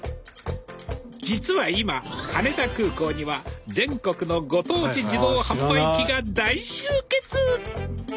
実は今羽田空港には全国のご当地自動販売機が大集結！